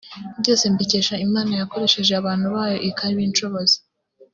byose mbikesha Imana yakoresheje abantu bayo ikabinshoboza